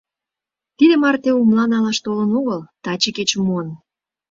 Тиде марте умла налаш толын огыл, таче кечым муын.